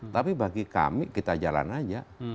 tapi bagi kami kita jalan aja